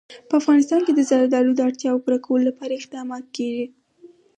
په افغانستان کې د زردالو د اړتیاوو پوره کولو لپاره اقدامات کېږي.